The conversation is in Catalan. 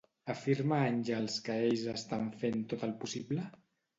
Afirma Àngels que ells estan fent tot el possible?